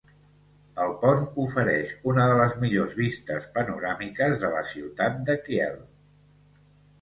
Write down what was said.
EL pont ofereix una de les millors vistes panoràmiques de la ciutat de Kiel.